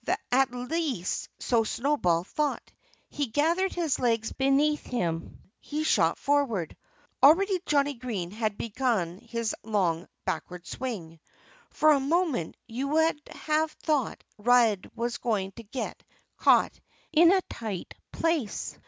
At least so Snowball thought. He gathered his legs beneath him. He shot forward. Already Johnnie Green had begun his long backward swing. For a moment you would have thought Red was going to get caught in a tight place.